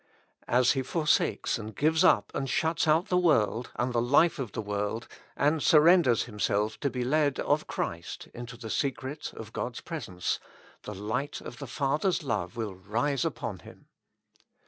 As he forsakes and gives up and shuts out the world, and the life of the world and surrenders himself to be led of Christ into the secret of God's presence, the light of the Father's love will rise upon him.